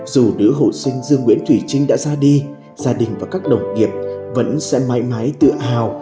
dù đứa hộ sinh dương nguyễn thủy trinh đã ra đi gia đình và các đồng nghiệp vẫn sẽ mãi mãi tự hào